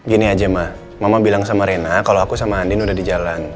ini aja ma mama bilang sama rena kalau aku sama rena dia takut kalian nggak dateng